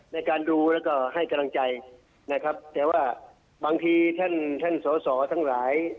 ในการดูแล้วก็ให้กำลังใจนะครับแต่ว่าบางทีท่านท่านสอสอทั้งหลาย